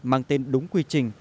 mang tên đúng quy trình